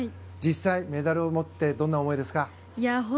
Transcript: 実際、メダルを持ってどんな思いですか？